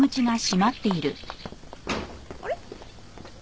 あれ？